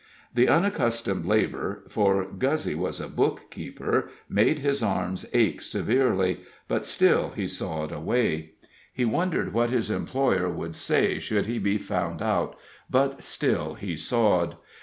The unaccustomed labor for Guzzy was a bookkeeper made his arms ache severely, but still he sawed away. He wondered what his employer would say should he be found out, but still he sawed.